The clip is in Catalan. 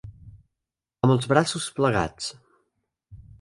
Amb els braços plegats.